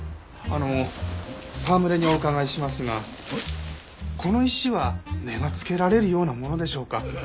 あの戯れにお伺いしますがこの石は値がつけられるようなものでしょうか？